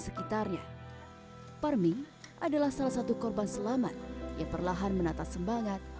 sekitarnya parmi adalah salah satu korban selamat yang perlahan menata semangat